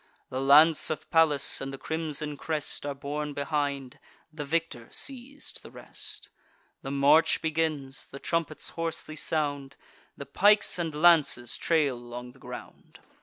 The lance of Pallas, and the crimson crest, Are borne behind: the victor seiz'd the rest. The march begins: the trumpets hoarsely sound; The pikes and lances trail along the ground.